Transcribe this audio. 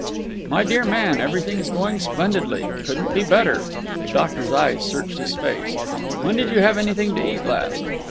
"My dear man, everything's going splendidly. Couldn't be better." The doctor's eyes searched his face. "When did you have anything to eat last?"